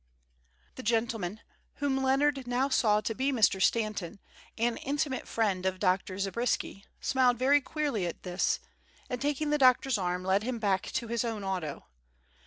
The gentleman, whom Leonard now saw to be Mr. Stanton, an intimate friend of Dr. Zabriskie, smiled very queerly at this, and taking the doctor's arm led him back to his own auto.